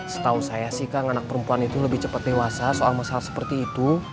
setahu saya sih kang anak perempuan itu lebih cepat dewasa soal masalah seperti itu